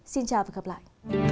xin chào và gặp lại